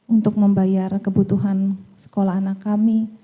untuk membayar kebutuhan sekolah anak kami